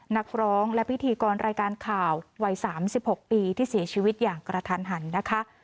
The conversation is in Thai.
นักร้องและพิธีกรรายการข่าววัย๓๖ปีที่เสียชีวิตอย่างกระทันหันนะคะ